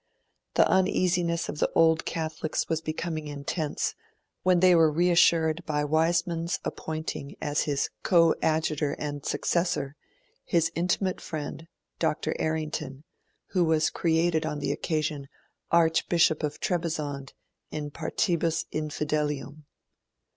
The uneasiness of the Old Catholics was becoming intense, when they were reassured by Wiseman's appointing as his co adjutor and successor his intimate friend, Dr. Errington, who was created on the occasion Archbishop of Trebizond in partibus infidelium.